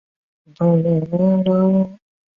但是最终的结果与最初的状态却又不同。